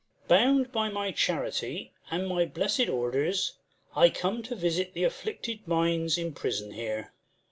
Bound by my charity, and my blessed orders, I come to visit the afflicted minds In prison here.